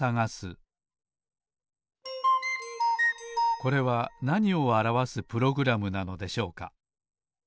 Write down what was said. これはなにをあらわすプログラムなのでしょうか？